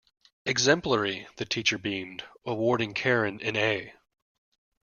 Exemplary, the teacher beamed, awarding Karen an A.